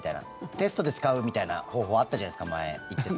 テストで使うみたいな方法あったじゃないですか前、言ってた。